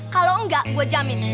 kalau enggak gue jamin